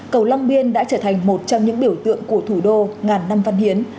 cầu long biên đã trở thành một trong những biểu tượng của thủ đô ngàn năm văn hiến